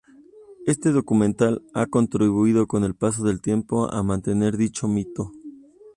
Este documental ha contribuido con el paso del tiempo a mantener dicho mito.